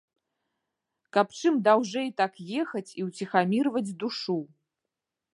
Каб чым даўжэй так ехаць і уціхамірваць душу!